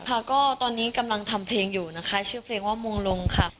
ค่ะก็ตอนนี้กำลังทำเพลงอยู่นะคะชื่อเพลงว่ามงลงค่ะ